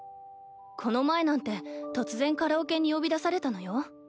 この前なんて突然カラオケに呼び出されたのよ。